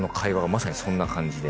まさにそんな感じで。